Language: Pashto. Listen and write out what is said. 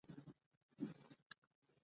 سیاسي مشرتابه باید ملي یووالی وساتي